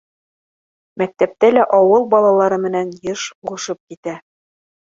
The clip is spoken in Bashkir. Мәктәптә лә ауыл балалары менән йыш һуғышып китә.